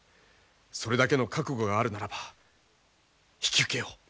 それだけの覚悟があるならば引き受けよう。